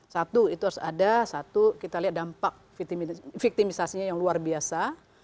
satu itu harus ada satu kita lihat dampak victimisasinya yang luar biasa